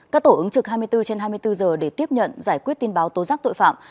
các tổ ứng trực hai mươi bốn trên hai mươi bốn giờ để tiếp nhận giải quyết tin báo tố giác tội phạm